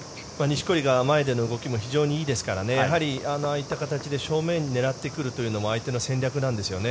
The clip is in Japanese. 錦織が前での動きも非常にいいですからああいった形で正面を狙ってくるのも相手の戦略なんですよね。